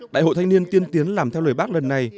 đại hội thanh niên tiên tiến làm theo lời bác lần này